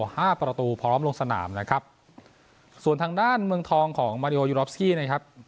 ห้าประตูพร้อมลงสนามนะครับส่วนทางด้านเมืองทองของมาริโอยูรอฟซี่นะครับ